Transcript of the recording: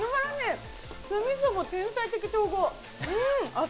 酢みそも天才的調合。